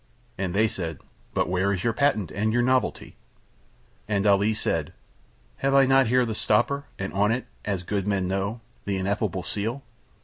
And they said: "But where is your patent and your novelty?" And Ali said: "Have I not here the stopper and on it, as good men know, the ineffable seal?